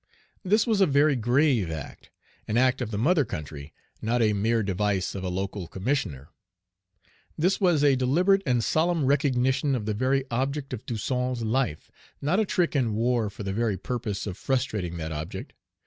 This was a very grave act, an act of the mother country, not a mere device of a local commissioner; this was a deliberate and solemn recognition of the very object of Toussaint's life, not a trick in war for the very purpose of frustrating that object.